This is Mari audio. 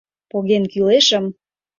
Поген кӱлешым